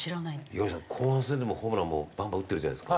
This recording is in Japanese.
五十嵐さん後半戦でもホームランもうバンバン打ってるじゃないですか。